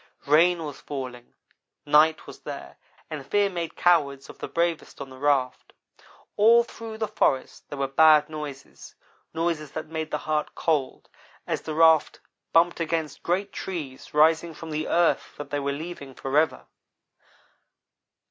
Rain was falling night was there, and fear made cowards of the bravest on the raft. All through the forest there were bad noises noises that make the heart cold as the raft bumped against great trees rising from the earth that they were leaving forever.